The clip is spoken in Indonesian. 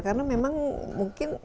karena memang mungkin